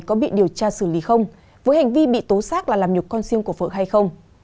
có bị điều tra xử lý không với hành vi bị tố xác là làm nhục con riêng của vợ hay không